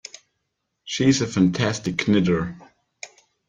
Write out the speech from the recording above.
She's a fantastic knitter.